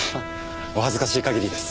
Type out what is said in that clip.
お恥ずかしい限りです。